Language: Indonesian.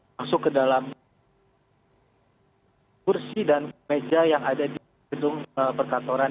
masuk ke dalam kursi dan meja yang ada di gedung perkantoran